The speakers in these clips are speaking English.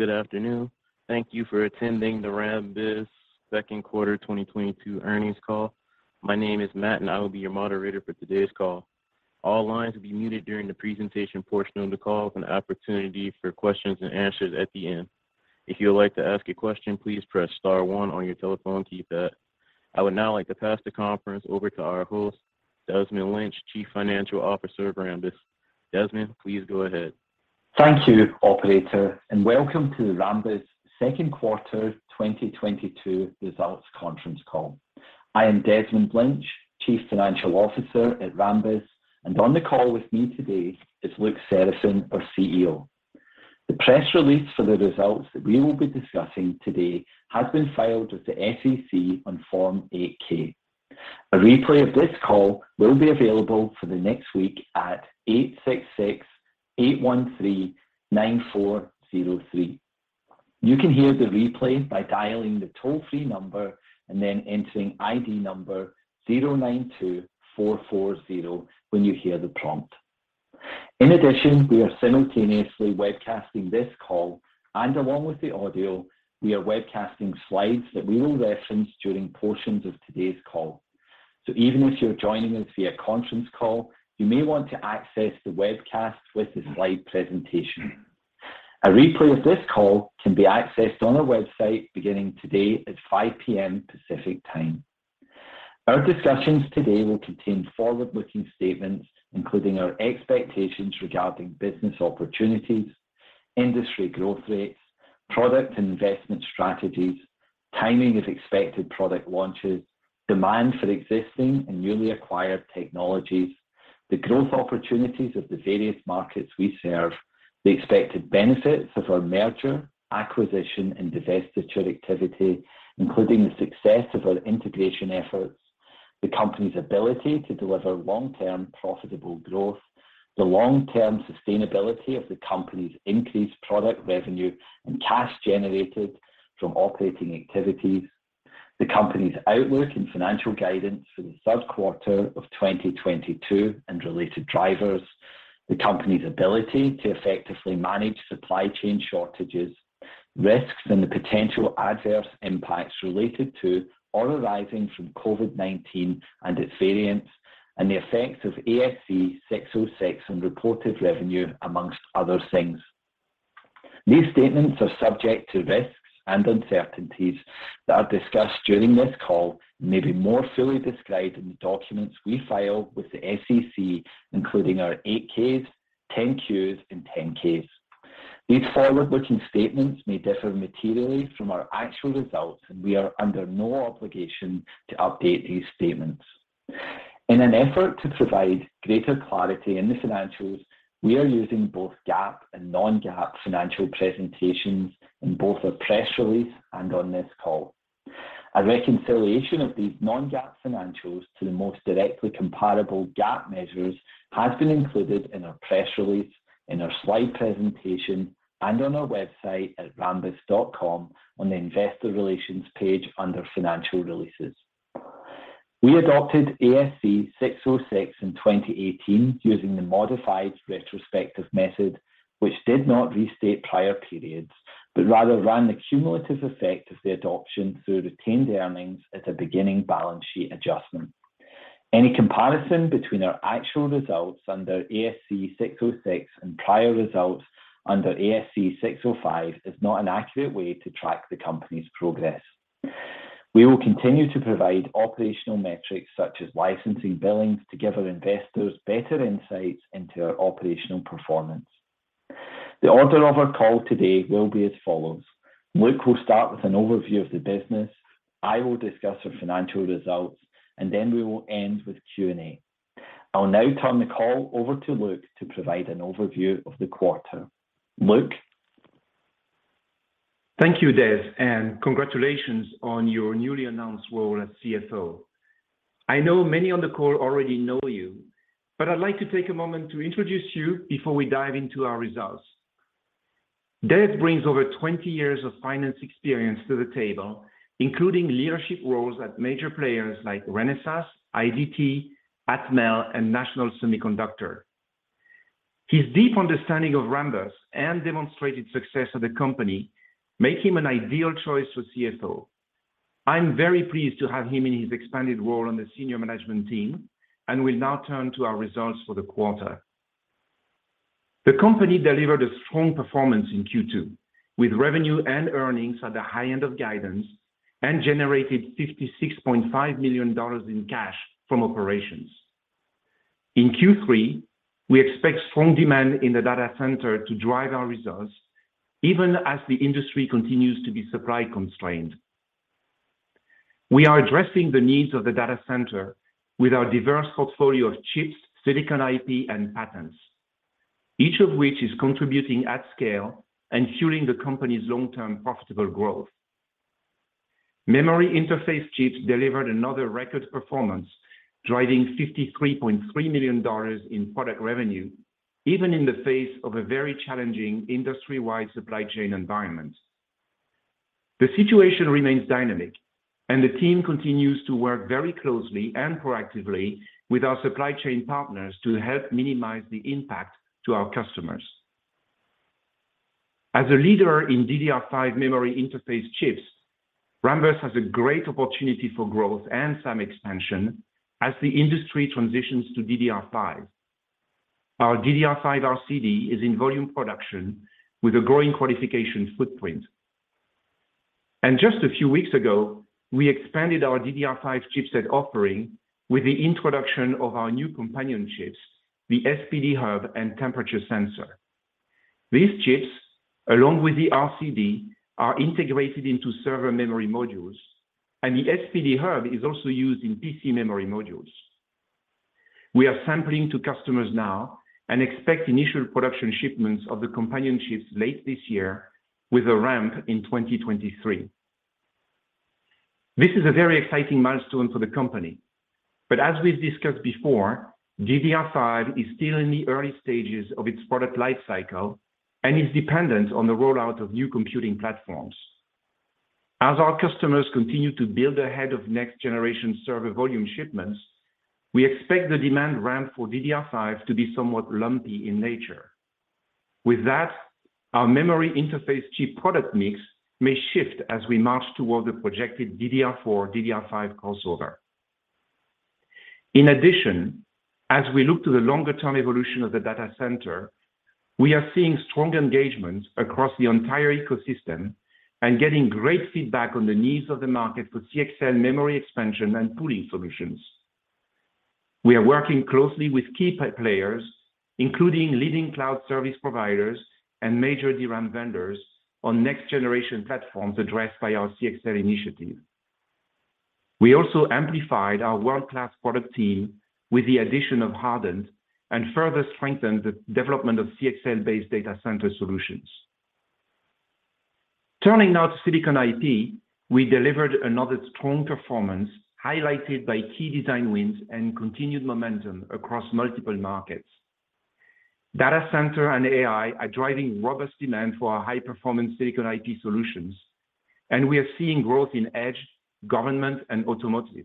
Good afternoon. Thank you for attending the Rambus second quarter 2022 earnings call. My name is Matt, and I will be your moderator for today's call. All lines will be muted during the presentation portion of the call with an opportunity for questions and answers at the end. If you would like to ask a question, please press star one on your telephone keypad. I would now like to pass the conference over to our host, Desmond Lynch, Chief Financial Officer of Rambus. Desmond, please go ahead. Thank you, operator, and welcome to the Rambus Second Quarter 2022 Results Conference Call. I am Desmond Lynch, Chief Financial Officer at Rambus, and on the call with me today is Luc Seraphin, our CEO. The press release for the results that we will be discussing today has been filed with the SEC on Form 8-K. A replay of this call will be available for the next week at 866-813-9403. You can hear the replay by dialing the toll-free number and then entering ID number 092440 when you hear the prompt. In addition, we are simultaneously webcasting this call, and along with the audio, we are webcasting slides that we will reference during portions of today's call. Even if you're joining us via conference call, you may want to access the webcast with the slide presentation. A replay of this call can be accessed on our website beginning today at 5 P.M. Pacific Time. Our discussions today will contain forward-looking statements, including our expectations regarding business opportunities, industry growth rates, product investment strategies, timing of expected product launches, demand for existing and newly acquired technologies, the growth opportunities of the various markets we serve, the expected benefits of our merger, acquisition, and divestiture activity, including the success of our integration efforts, the company's ability to deliver long-term profitable growth, the long-term sustainability of the company's increased product revenue, and cash generated from operating activities, the company's outlook and financial guidance for the third quarter of 2022 and related drivers, the company's ability to effectively manage supply chain shortages, risks and the potential adverse impacts related to or arising from COVID-19 and its variants, and the effects of ASC 606 on reported revenue, among other things. These statements are subject to risks and uncertainties that are discussed during this call and may be more fully described in the documents we file with the SEC, including our 8-Ks, 10-Q, and 10-K. These forward-looking statements may differ materially from our actual results, and we are under no obligation to update these statements. In an effort to provide greater clarity in the financials, we are using both GAAP and non-GAAP financial presentations in both our press release and on this call. A reconciliation of these non-GAAP financials to the most directly comparable GAAP measures has been included in our press release, in our slide presentation, and on our website at rambus.com on the Investor Relations page under Financial Releases. We adopted ASC 606 in 2018 using the modified retrospective method, which did not restate prior periods, but rather ran the cumulative effect of the adoption through retained earnings at a beginning balance sheet adjustment. Any comparison between our actual results under ASC 606 and prior results under ASC 605 is not an accurate way to track the company's progress. We will continue to provide operational metrics such as licensing billings to give our investors better insights into our operational performance. The order of our call today will be as follows, Luc Seraphin will start with an overview of the business, I will discuss our financial results, and then we will end with Q&A. I'll now turn the call over to Luc Seraphin to provide an overview of the quarter. Luc Seraphin? Thank you, Des, and congratulations on your newly announced role as CFO. I know many on the call already know you, but I'd like to take a moment to introduce you before we dive into our results. Des brings over 20 years of finance experience to the table, including leadership roles at major players like Renesas, IDT, Atmel, and National Semiconductor. His deep understanding of Rambus and demonstrated success of the company make him an ideal choice for CFO. I'm very pleased to have him in his expanded role on the senior management team and will now turn to our results for the quarter. The company delivered a strong performance in Q2, with revenue and earnings at the high end of guidance and generated $56.5 million in cash from operations. In Q3, we expect strong demand in the data center to drive our results even as the industry continues to be supply constrained. We are addressing the needs of the data center with our diverse portfolio of chips, Silicon IP, and patents, each of which is contributing at scale and fueling the company's long-term profitable growth. Memory Interface Chips delivered another record performance, driving $53.3 million in product revenue, even in the face of a very challenging industry-wide supply chain environment. The situation remains dynamic and the team continues to work very closely and proactively with our supply chain partners to help minimize the impact to our customers. As a leader in DDR5 Memory Interface Chips, Rambus has a great opportunity for growth and some expansion as the industry transitions to DDR5. Our DDR5 RCD is in volume production with a growing qualification footprint. Just a few weeks ago, we expanded our DDR5 chipset offering with the introduction of our new companion chips, the SPD Hub and Temperature Sensor. These chips, along with the RCD, are integrated into server memory modules, and the SPD Hub is also used in PC memory modules. We are sampling to customers now and expect initial production shipments of the companion chips late this year with a ramp in 2023. This is a very exciting milestone for the company. As we've discussed before, DDR5 is still in the early stages of its product life cycle and is dependent on the rollout of new computing platforms. As our customers continue to build ahead of next generation server volume shipments, we expect the demand ramp for DDR5 to be somewhat lumpy in nature. With that, our memory interface chip product mix may shift as we march towards the projected DDR4/DDR5 crossover. In addition, as we look to the longer-term evolution of the data center, we are seeing strong engagement across the entire ecosystem and getting great feedback on the needs of the market for CXL memory expansion and pooling solutions. We are working closely with key players, including leading cloud service providers and major DRAM vendors on next generation platforms addressed by our CXL initiative. We also amplified our world-class product team with the addition of Hardent and further strengthened the development of CXL-based data center solutions. Turning now to Silicon IP, we delivered another strong performance highlighted by key design wins and continued momentum across multiple markets. Data center and AI are driving robust demand for our high-performance Silicon IP solutions, and we are seeing growth in edge, government, and automotive.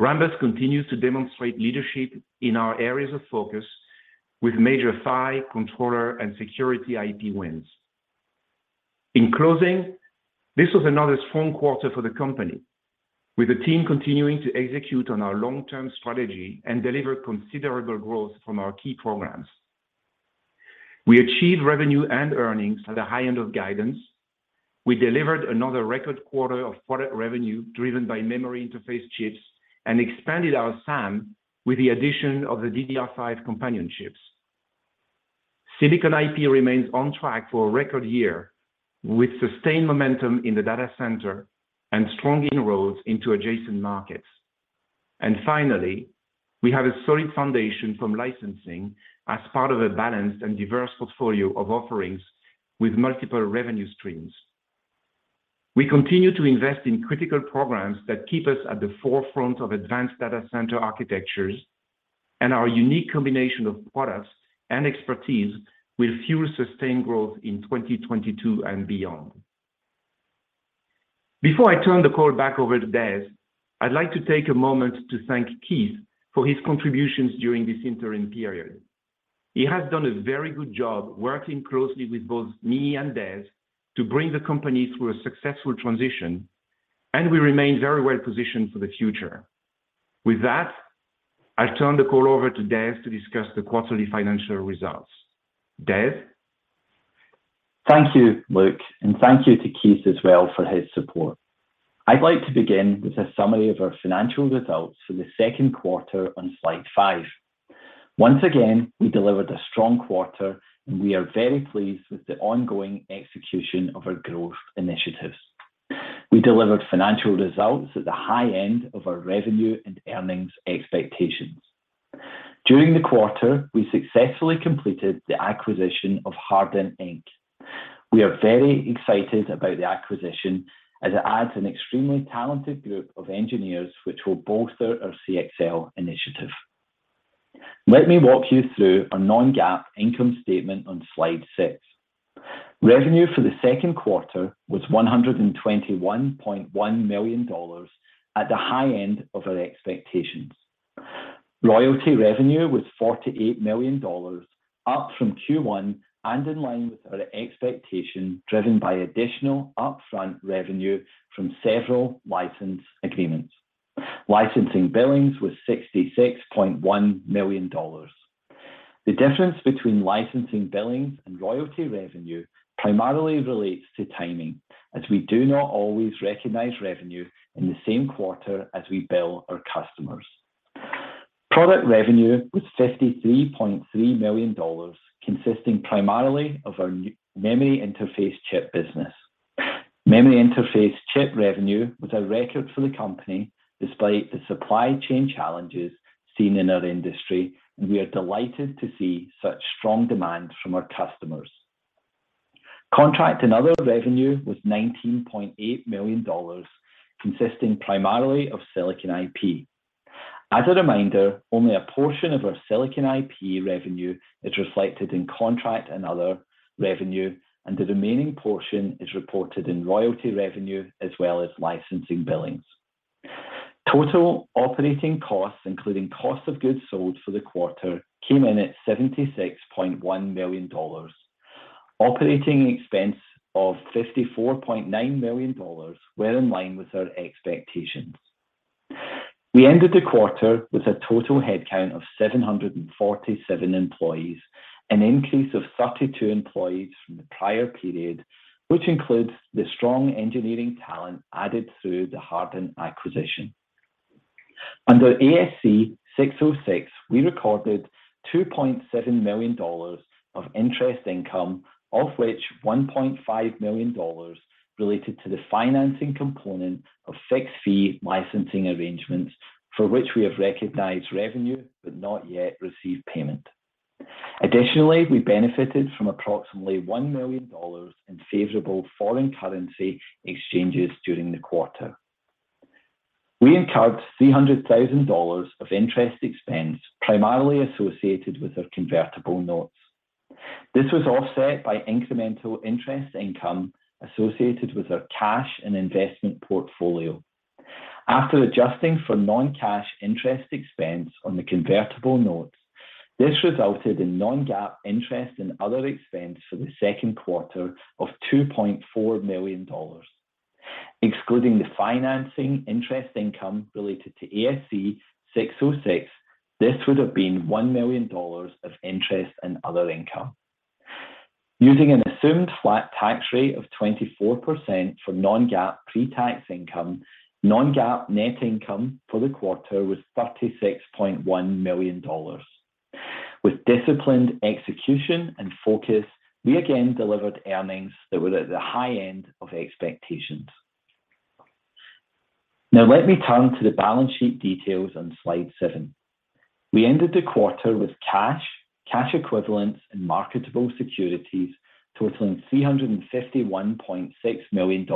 Rambus continues to demonstrate leadership in our areas of focus with major PHY, controller, and security IP wins. In closing, this was another strong quarter for the company, with the team continuing to execute on our long-term strategy and deliver considerable growth from our key programs. We achieved revenue and earnings at the high end of guidance. We delivered another record quarter of product revenue driven by memory interface chips and expanded our SAM with the addition of the DDR5 companion chips. Silicon IP remains on track for a record year with sustained momentum in the data center and strong inroads into adjacent markets. Finally, we have a solid foundation from licensing as part of a balanced and diverse portfolio of offerings with multiple revenue streams. We continue to invest in critical programs that keep us at the forefront of advanced data center architectures, and our unique combination of products and expertise will fuel sustained growth in 2022 and beyond. Before I turn the call back over to Des, I'd like to take a moment to thank Keith for his contributions during this interim period. He has done a very good job working closely with both me and Des to bring the company through a successful transition, and we remain very well-positioned for the future. With that, I turn the call over to Des to discuss the quarterly financial results. Des? Thank you, Luc, and thank you to Keith as well for his support. I'd like to begin with a summary of our financial results for the second quarter on slide 5. Once again, we delivered a strong quarter, and we are very pleased with the ongoing execution of our growth initiatives. We delivered financial results at the high end of our revenue and earnings expectations. During the quarter, we successfully completed the acquisition of Hardent, Inc. We are very excited about the acquisition as it adds an extremely talented group of engineers which will bolster our CXL initiative. Let me walk you through our non-GAAP income statement on slide 6. Revenue for the second quarter was $121.1 million at the high end of our expectations. Royalty revenue was $48 million, up from Q1 and in line with our expectation driven by additional upfront revenue from several license agreements. Licensing billings was $66.1 million. The difference between licensing billings and royalty revenue primarily relates to timing, as we do not always recognize revenue in the same quarter as we bill our customers. Product revenue was $53.3 million, consisting primarily of our new memory interface chip business. Memory interface chip revenue was a record for the company despite the supply chain challenges seen in our industry, and we are delighted to see such strong demand from our customers. Contract and other revenue was $19.8 million, consisting primarily of Silicon IP. As a reminder, only a portion of our silicon IP revenue is reflected in contract and other revenue, and the remaining portion is reported in royalty revenue as well as licensing billings. Total operating costs, including cost of goods sold for the quarter, came in at $76.1 million. Operating expense of $54.9 million were in line with our expectations. We ended the quarter with a total headcount of 747 employees, an increase of 32 employees from the prior period, which includes the strong engineering talent added through the Hardent acquisition. Under ASC 606, we recorded $2.7 million of interest income, of which $1.5 million related to the financing component of fixed-fee licensing arrangements for which we have recognized revenue but not yet received payment. Additionally, we benefited from approximately $1 million in favorable foreign currency exchanges during the quarter. We incurred $300,000 of interest expense, primarily associated with our convertible notes. This was offset by incremental interest income associated with our cash and investment portfolio. After adjusting for non-cash interest expense on the convertible notes, this resulted in non-GAAP interest and other expense for the second quarter of $2.4 million. Excluding the financing interest income related to ASC 606, this would have been $1 million of interest and other income. Using an assumed flat tax rate of 24% for non-GAAP pre-tax income, non-GAAP net income for the quarter was $36.1 million. With disciplined execution and focus, we again delivered earnings that were at the high end of expectations. Now let me turn to the balance sheet details on slide seven. We ended the quarter with cash equivalents, and marketable securities totaling $351.6 million,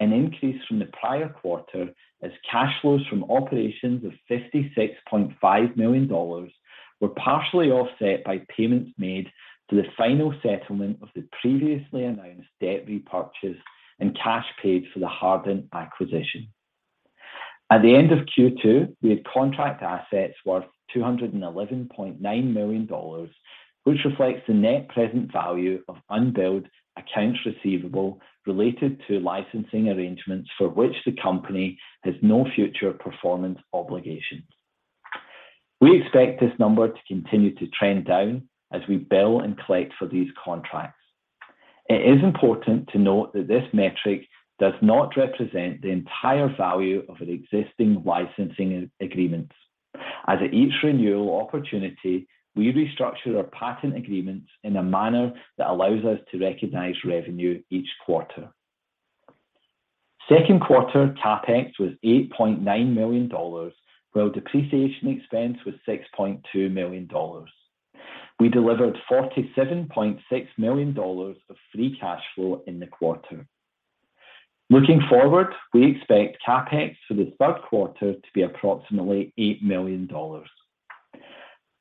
an increase from the prior quarter as cash flows from operations of $56.5 million were partially offset by payments made to the final settlement of the previously announced debt repurchase and cash paid for the Hardent acquisition. At the end of Q2, we had contract assets worth $211.9 million, which reflects the net present value of unbilled accounts receivable related to licensing arrangements for which the company has no future performance obligations. We expect this number to continue to trend down as we bill and collect for these contracts. It is important to note that this metric does not represent the entire value of our existing licensing agreements. As at each renewal opportunity, we restructure our patent agreements in a manner that allows us to recognize revenue each quarter. Second quarter CapEx was $8.9 million, while depreciation expense was $6.2 million. We delivered $47.6 million of free cash flow in the quarter. Looking forward, we expect CapEx for the third quarter to be approximately $8 million.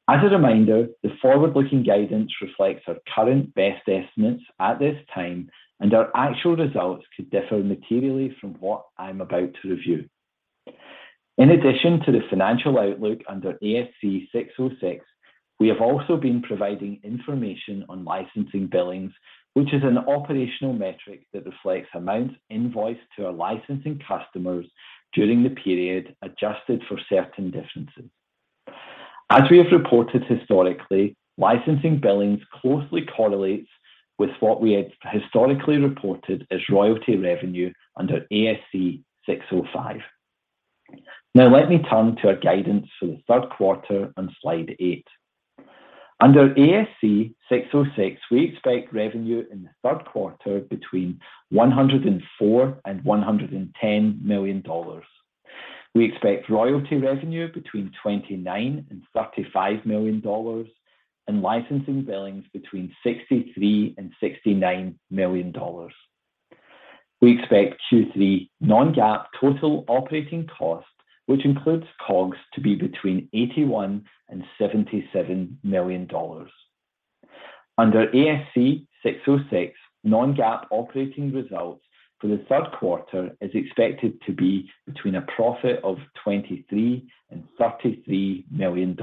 As a reminder, the forward-looking guidance reflects our current best estimates at this time, and our actual results could differ materially from what I'm about to review. In addition to the financial outlook under ASC 606, we have also been providing information on licensing billings, which is an operational metric that reflects amounts invoiced to our licensing customers during the period, adjusted for certain differences. As we have reported historically, licensing billings closely correlates with what we had historically reported as royalty revenue under ASC 605. Now let me turn to our guidance for the third quarter on slide eight. Under ASC 606, we expect revenue in the third quarter between $104 million and $110 million. We expect royalty revenue between $29 million and $35 million and licensing billings between $63 million and $69 million. We expect Q3 non-GAAP total operating costs, which includes COGS, to be between $81 million and $77 million. Under ASC 606, non-GAAP operating results for the third quarter is expected to be between a profit of $23 million and $33 million.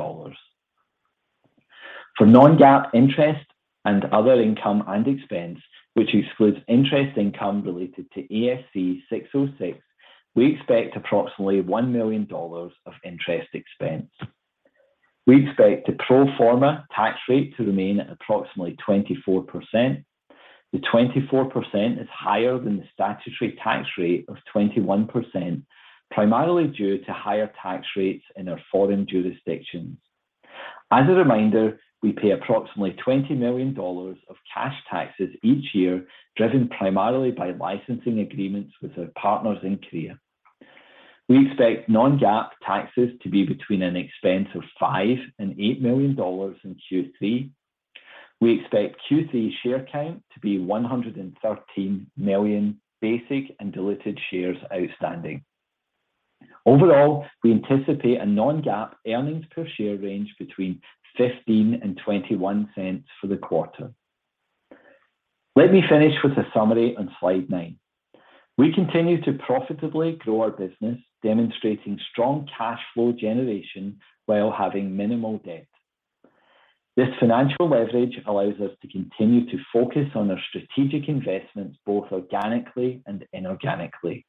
For non-GAAP interest and other income and expense, which excludes interest income related to ASC 606, we expect approximately $1 million of interest expense. We expect the pro forma tax rate to remain at approximately 24%. The 24% is higher than the statutory tax rate of 21%, primarily due to higher tax rates in our foreign jurisdictions. As a reminder, we pay approximately $20 million of cash taxes each year, driven primarily by licensing agreements with our partners in Korea. We expect non-GAAP taxes to be between an expense of $5 million and $8 million in Q3. We expect Q3 share count to be 113 million basic and diluted shares outstanding. Overall, we anticipate a non-GAAP earnings per share range between $0.15 and $0.21 for the quarter. Let me finish with a summary on slide 9. We continue to profitably grow our business, demonstrating strong cash flow generation while having minimal debt. This financial leverage allows us to continue to focus on our strategic investments, both organically and inorganically.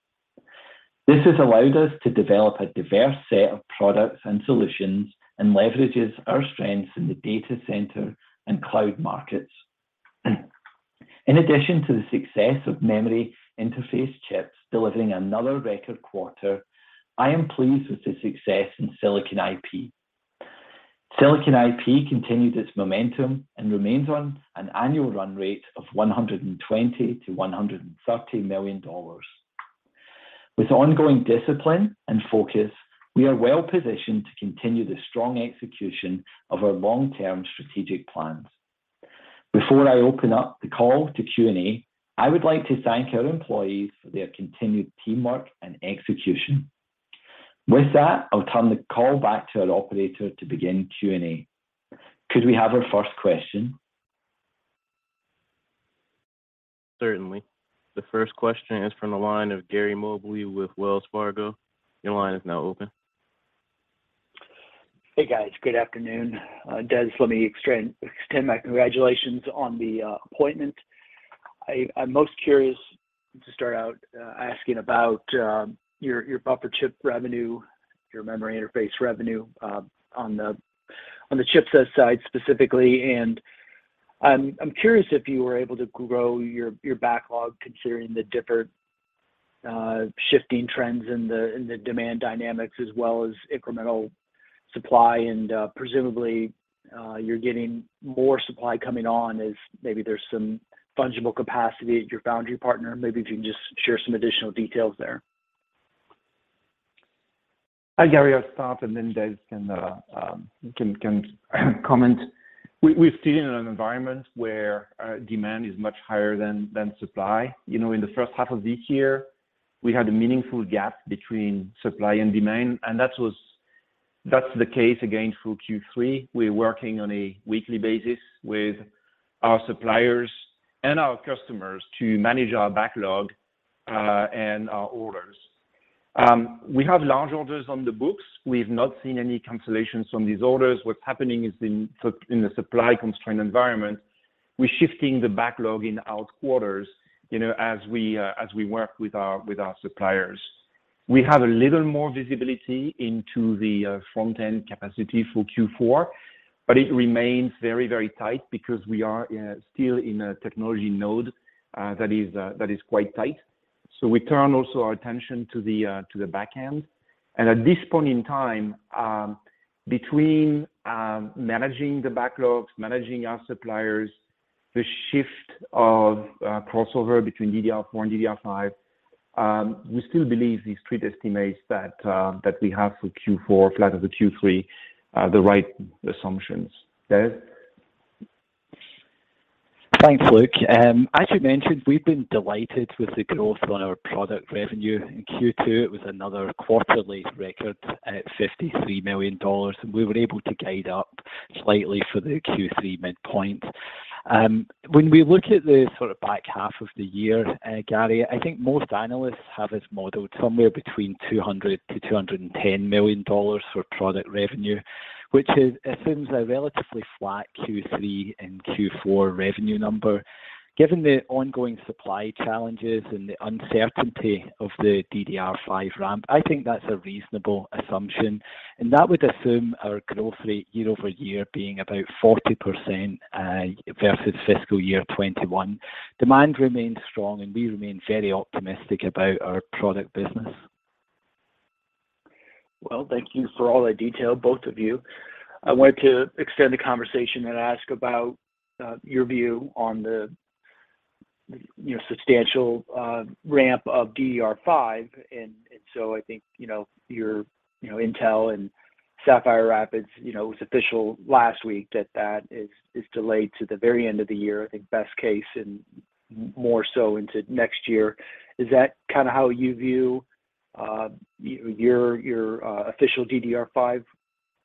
This has allowed us to develop a diverse set of products and solutions and leverages our strengths in the data center and cloud markets. In addition to the success of Memory Interface Chips delivering another record quarter, I am pleased with the success in Silicon IP. Silicon IP continued its momentum and remains on an annual run rate of $120 million-$130 million. With ongoing discipline and focus, we are well positioned to continue the strong execution of our long-term strategic plans. Before I open up the call to Q&A, I would like to thank our employees for their continued teamwork and execution. With that, I'll turn the call back to our operator to begin Q&A. Could we have our first question? Certainly. The first question is from the line of Gary Mobley with Wells Fargo. Your line is now open. Hey, guys. Good afternoon. Des, let me extend my congratulations on the appointment. I'm most curious to start out asking about your buffer chip revenue, your memory interface revenue on the chipset side specifically. I'm curious if you were able to grow your backlog considering the different shifting trends in the demand dynamics as well as incremental supply and presumably you're getting more supply coming on as maybe there's some fungible capacity at your foundry partner. Maybe if you can just share some additional details there. Hi, Gary. I'll start, and then Des can comment. We're still in an environment where demand is much higher than supply. You know, in the first half of this year, we had a meaningful gap between supply and demand, and that's the case again through Q3. We're working on a weekly basis with our suppliers and our customers to manage our backlog and our orders. We have large orders on the books. We've not seen any cancellations from these orders. What's happening is in the supply constraint environment, we're shifting the backlog in out quarters, you know, as we work with our suppliers. We have a little more visibility into the front-end capacity for Q4, but it remains very, very tight because we are still in a technology node that is quite tight. We turn also our attention to the back end. At this point in time, between managing the backlogs, managing our suppliers, the shift or crossover between DDR4 and DDR5, we still believe these street estimates that we have for Q4 flat as a Q3 are the right assumptions. Des? Thanks, Luc. As you mentioned, we've been delighted with the growth on our product revenue. In Q2, it was another quarterly record at $53 million, and we were able to guide up slightly for the Q3 midpoint. When we look at the sort of back half of the year, Gary, I think most analysts have us modeled somewhere between $200-$210 million for product revenue, which assumes a relatively flat Q3 and Q4 revenue number. Given the ongoing supply challenges and the uncertainty of the DDR5 ramp, I think that's a reasonable assumption, and that would assume our growth rate year-over-year being about 40%, versus fiscal year 2021. Demand remains strong, and we remain very optimistic about our product business. Well, thank you for all that detail, both of you. I wanted to extend the conversation and ask about your view on the, you know, substantial ramp of DDR5. I think, you know, your Intel and Sapphire Rapids, you know, it was official last week that is delayed to the very end of the year, I think best case, and more so into next year. Is that kinda how you view your official DDR5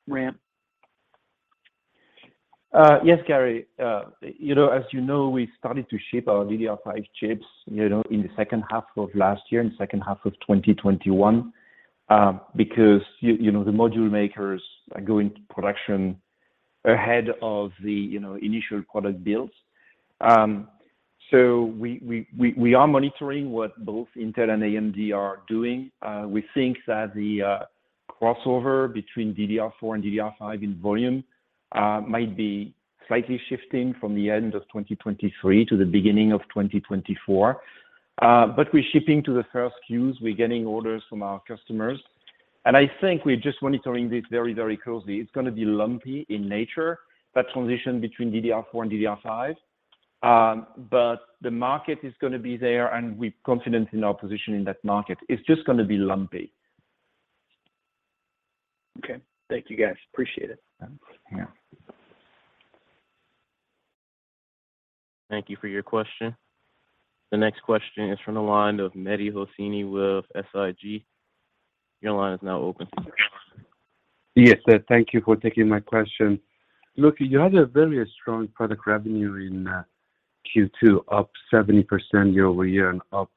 ramp? Yes, Gary. You know, as you know, we started to ship our DDR5 chips, you know, in the second half of last year, in the second half of 2021, because you know, the module makers go into production ahead of the, you know, initial product builds. We are monitoring what both Intel and AMD are doing. We think that the crossover between DDR4 and DDR5 in volume might be slightly shifting from the end of 2023 to the beginning of 2024. We're shipping to the first queues. We're getting orders from our customers. I think we're just monitoring this very, very closely. It's gonna be lumpy in nature, that transition between DDR4 and DDR5. The market is gonna be there, and we're confident in our position in that market. It's just gonna be lumpy. Okay. Thank you guys. Appreciate it. Yeah. Thank you for your question. The next question is from the line of Mehdi Hosseini with SIG. Your line is now open, sir. Yes, thank you for taking my question. Look, you had a very strong product revenue in Q2, up 70% year-over-year and up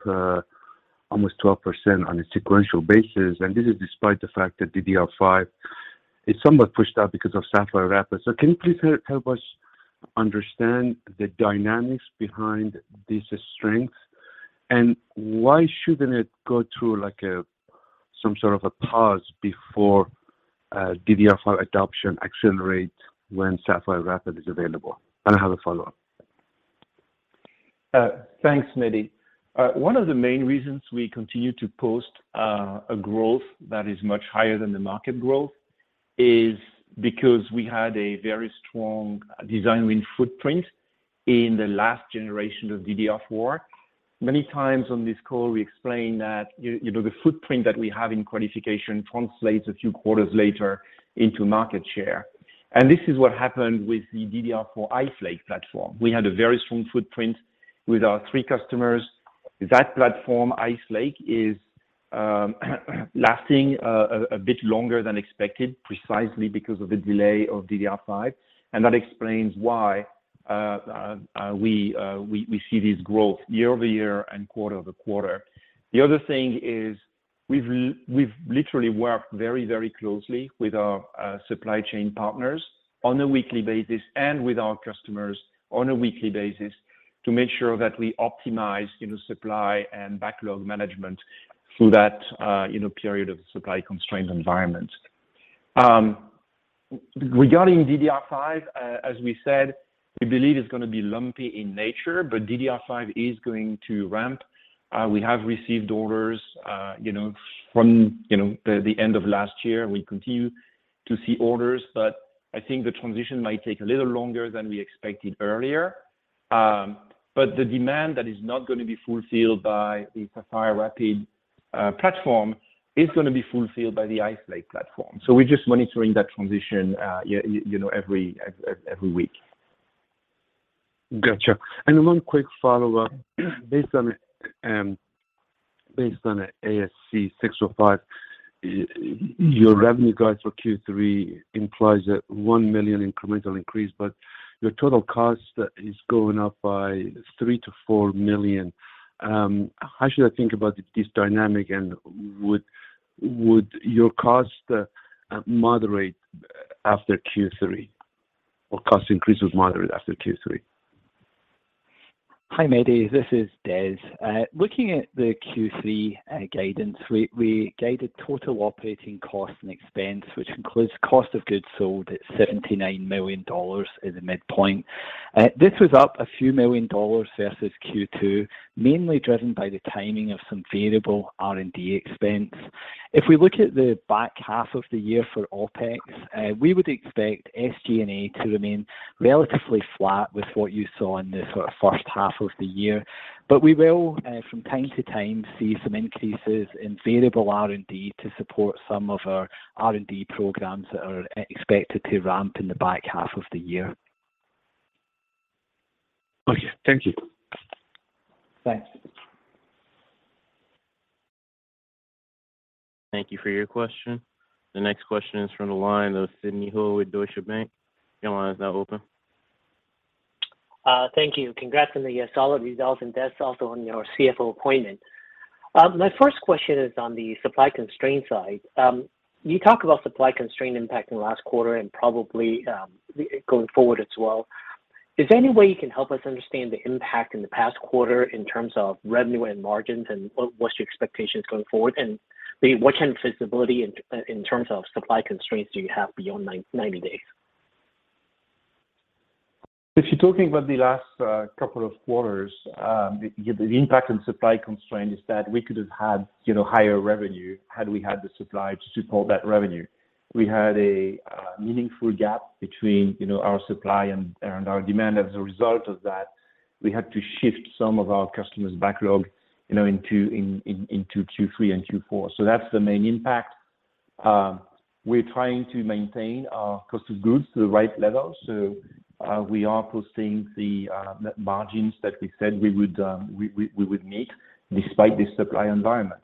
almost 12% on a sequential basis. This is despite the fact that DDR5 is somewhat pushed out because of Sapphire Rapids. Can you please help us understand the dynamics behind this strength and why shouldn't it go through some sort of a pause before DDR5 adoption accelerates when Sapphire Rapids is available? I have a follow-up. Thanks, Mehdi. One of the main reasons we continue to post a growth that is much higher than the market growth is because we had a very strong design win footprint in the last generation of DDR4. Many times on this call, we explained that you know, the footprint that we have in qualification translates a few quarters later into market share. This is what happened with the DDR4 Ice Lake platform. We had a very strong footprint with our three customers. That platform, Ice Lake, is lasting a bit longer than expected, precisely because of the delay of DDR5. That explains why we see this growth year-over-year and quarter-over-quarter. The other thing is we've literally worked very, very closely with our supply chain partners on a weekly basis and with our customers on a weekly basis to make sure that we optimize, you know, supply and backlog management through that, you know, period of supply constrained environment. Regarding DDR5, as we said, we believe it's gonna be lumpy in nature, but DDR5 is going to ramp. We have received orders, you know, from you know the end of last year. We continue to see orders, but I think the transition might take a little longer than we expected earlier. But the demand that is not gonna be fulfilled by the Sapphire Rapids platform is gonna be fulfilled by the Ice Lake platform. We're just monitoring that transition, you know, every week. Gotcha. One quick follow-up. Based on ASC 605, your revenue guide for Q3 implies a $1 million incremental increase, but your total cost is going up by $3 million-$4 million. How should I think about this dynamic, and would your cost moderate after Q3, or cost increases moderate after Q3? Hi, Mehdi. This is Des. Looking at the Q3 guidance, we guided total operating costs and expense, which includes cost of goods sold at $79 million in the midpoint. This was up a few million dollars versus Q2, mainly driven by the timing of some variable R&D expense. If we look at the back half of the year for OpEx, we would expect SG&A to remain relatively flat with what you saw in the sort of first half of the year. We will, from time to time, see some increases in variable R&D to support some of our R&D programs that are expected to ramp in the back half of the year. Okay. Thank you. Thanks. Thank you for your question. The next question is from the line of Sidney Ho with Deutsche Bank. Your line is now open. Thank you. Congrats on the solid results, and Des, also on your CFO appointment. My first question is on the supply constraint side. You talk about supply constraint impacting last quarter and probably going forward as well. Is there any way you can help us understand the impact in the past quarter in terms of revenue and margins and what's your expectations going forward? Maybe what kind of visibility in terms of supply constraints do you have beyond 90 days? If you're talking about the last couple of quarters, the impact on supply constraint is that we could have had, you know, higher revenue had we had the supply to support that revenue. We had a meaningful gap between, you know, our supply and our demand as a result of that. We had to shift some of our customers' backlog, you know, into Q3 and Q4. That's the main impact. We're trying to maintain our cost of goods to the right level. We are posting the margins that we said we would meet despite this supply environment.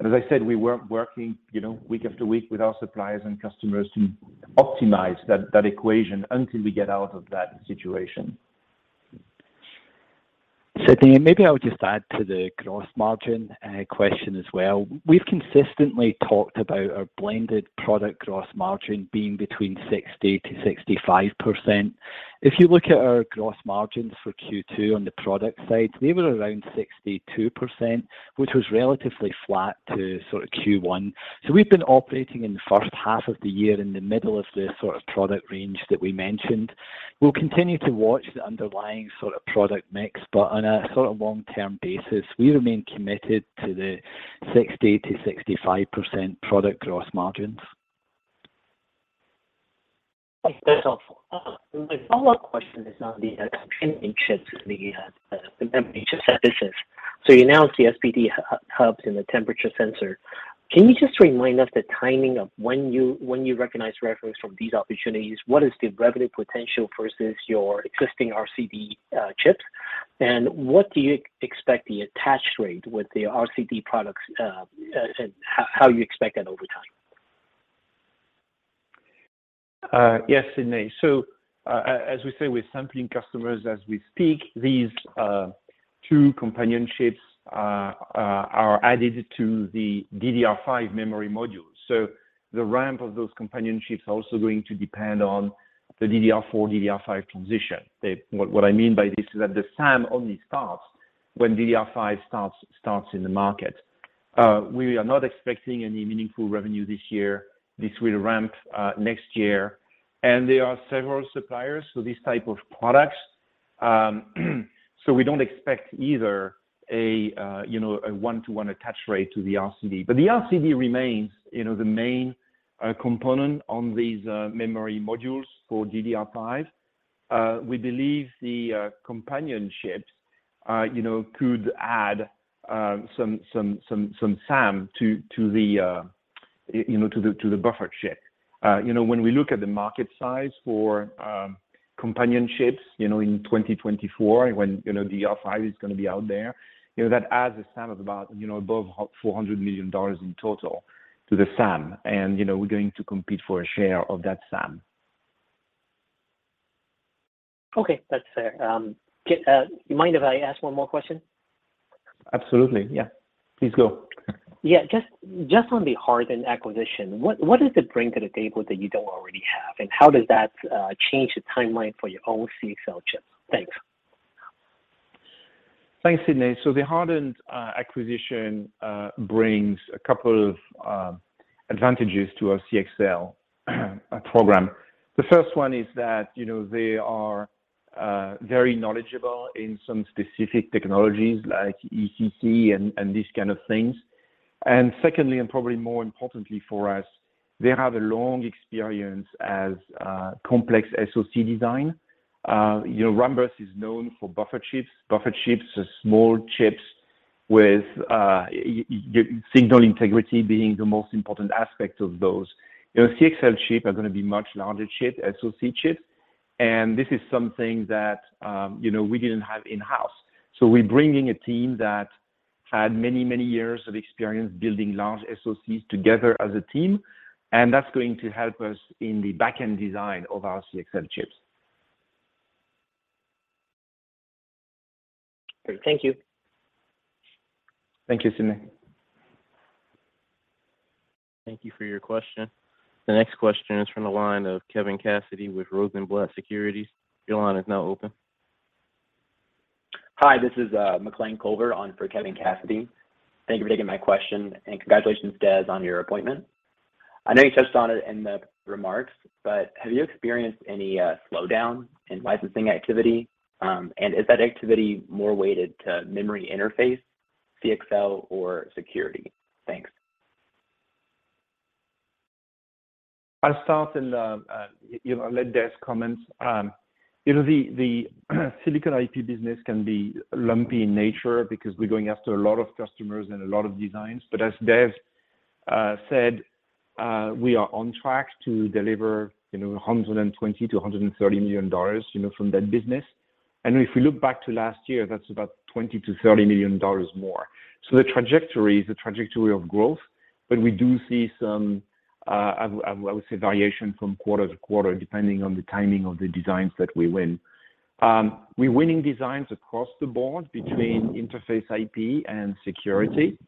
As I said, we were working, you know, week after week with our suppliers and customers to optimize that equation until we get out of that situation. Sidney, maybe I would just add to the gross margin question as well. We've consistently talked about our blended product gross margin being between 60%-65%. If you look at our gross margins for Q2 on the product side, they were around 62%, which was relatively flat to sort of Q1. We've been operating in the first half of the year in the middle of the sort of product range that we mentioned. We'll continue to watch the underlying sort of product mix, but on a sort of long-term basis, we remain committed to the 60%-65% product gross margins. That's helpful. My follow-up question is on the companion chips that you had mentioned. You announced the SPD hubs and the temperature sensor. Can you just remind us the timing of when you recognize revenue from these opportunities? What is the revenue potential versus your existing RCD chips? What do you expect the attach rate with the RCD products, and how you expect that over time? Yes, Sidney. As we say, we're sampling customers as we speak. These two companion chips are added to the DDR5 memory modules. The ramp of those companion chips are also going to depend on the DDR4/DDR5 transition. What I mean by this is that the SAM only starts when DDR5 starts in the market. We are not expecting any meaningful revenue this year. This will ramp next year. There are several suppliers for these type of products, so we don't expect either a one-to-one attach rate to the RCD. But the RCD remains, you know, the main component on these memory modules for DDR5. We believe the companion chips, you know, could add some SAM to the buffered chip. You know, when we look at the market size for companion chips, you know, in 2024 when DDR5 is gonna be out there, you know, that adds a SAM of about, you know, above $400 million in total to the SAM. You know, we're going to compete for a share of that SAM. Okay, that's fair. You mind if I ask one more question? Absolutely, yeah. Please go. Yeah. Just on the Hardent acquisition, what does it bring to the table that you don't already have? How does that change the timeline for your own CXL chips? Thanks. Thanks, Sidney. The Hardent acquisition brings a couple of advantages to our CXL program. The first one is that, you know, they are very knowledgeable in some specific technologies like ECC and these kind of things. Secondly, and probably more importantly for us, they have a long experience as complex SoC design. You know, Rambus is known for buffer chips. Buffer chips are small chips with signal integrity being the most important aspect of those. You know, CXL chip are gonna be much larger chip, SoC chips, and this is something that, you know, we didn't have in-house. We're bringing a team that had many years of experience building large SoCs together as a team, and that's going to help us in the back-end design of our CXL chips. Great. Thank you. Thank you, Sidney. Thank you for your question. The next question is from the line of Kevin Cassidy with Rosenblatt Securities. Your line is now open. Hi, this is McClain Culver on for Kevin Cassidy. Thank you for taking my question, and congratulations, Des, on your appointment. I know you touched on it in the remarks, but have you experienced any slowdown in licensing activity? Is that activity more weighted to memory interface, CXL, or security? Thanks. I'll start and you know, I'll let Des comment. You know, the Silicon IP business can be lumpy in nature because we're going after a lot of customers and a lot of designs. As Des said, we are on track to deliver you know, $120-$130 million you know, from that business. If we look back to last year, that's about $20-$30 million more. The trajectory is a trajectory of growth, but we do see some I would say, variation from quarter to quarter, depending on the timing of the designs that we win. We're winning designs across the board between interface IP and security.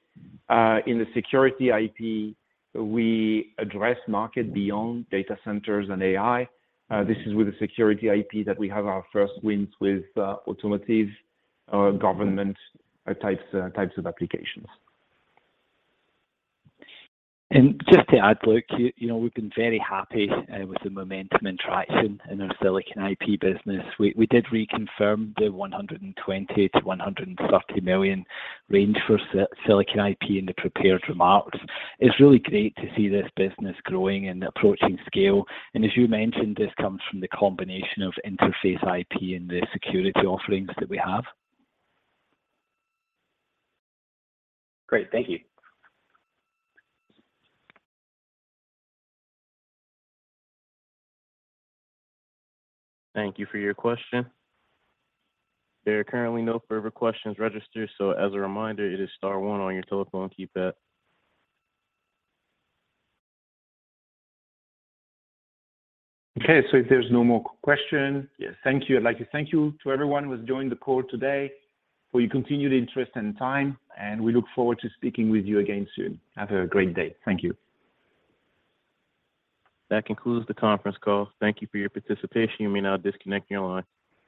In the security IP, we address markets beyond data centers and AI. This is with the security IP that we have our first wins with, automotive, government types of applications. Just to add, Luc, you know, we've been very happy with the momentum and traction in our Silicon IP business. We did reconfirm the $120 million-$130 million range for Silicon IP in the prepared remarks. It's really great to see this business growing and approaching scale. As you mentioned, this comes from the combination of interface IP and the security offerings that we have. Great. Thank you. Thank you for your question. There are currently no further questions registered, so as a reminder, it is star one on your telephone keypad. Okay. If there's no more question, yes, thank you. I'd like to thank you to everyone who has joined the call today for your continued interest and time, and we look forward to speaking with you again soon. Have a great day. Thank you. That concludes the conference call. Thank you for your participation. You may now disconnect your line.